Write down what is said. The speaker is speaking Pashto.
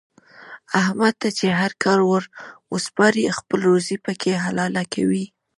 احمد ته چې هر کار ور وسپارې خپله روزي پکې حلاله کوي.